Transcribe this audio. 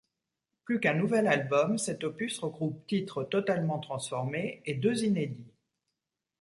Plus qu’un nouvel album, cet opus regroupe titres totalement transformés et deux inédits.